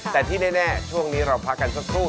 แต่ที่แน่ช่วงนี้เราพักกันสักครู่